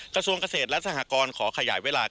กระทรวงเกษตรและสหกรขอขยายเวลา